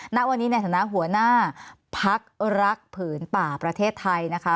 ณวันนี้ในฐานะหัวหน้าพักรักผืนป่าประเทศไทยนะคะ